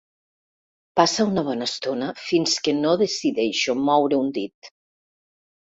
Passa una bona estona fins que no decideixo moure un dit.